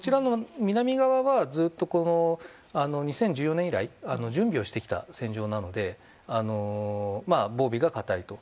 南側はずっと２０１４年以来準備をしてきた戦場なので防備が堅いと。